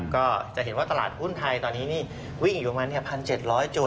ก็จะเห็นว่าตลาดหุ้นไทยตอนนี้นี่วิ่งอีกประมาณ๑๗๐๐จุด